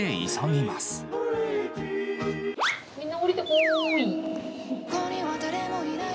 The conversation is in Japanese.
みんな下りてこーい。